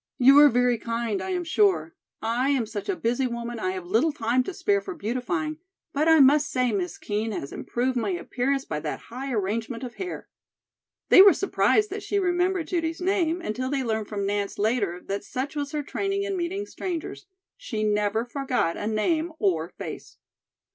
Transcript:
"You are very kind, I am sure. I am such a busy woman I have little time to spare for beautifying; but I must say Miss Kean has improved my appearance by that high arrangement of hair." They were surprised that she remembered Judy's name until they learned from Nance later that such was her training in meeting strangers, she never forgot a name or face.